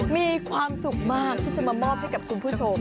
มีความสุขมากที่จะมามอบให้กับคุณผู้ชม